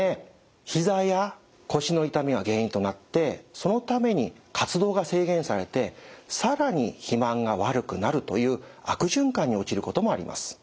ひざや腰の痛みが原因となってそのために活動が制限されて更に肥満が悪くなるという悪循環に陥ることもあります。